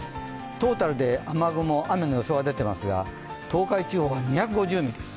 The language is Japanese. トータルで、雨の予想が出ていますが、東海地方は２５０ミリ